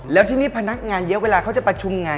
แล้วที่นี่พนักงานเยอะเวลาเขาจะประชุมงาน